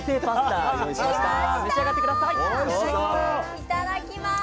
いただきます。